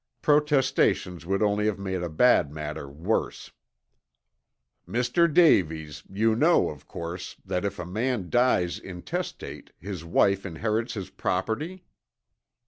Protestations would only have made a bad matter worse. "Mr. Davies, you know, of course, that if a man dies intestate, his wife inherits his property?"